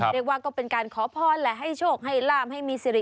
เรียกว่าก็เป็นการขอพรแหละให้โชคให้ลาบให้มีสิริ